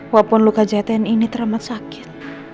walaupun luka jari tn ini terlalu sakit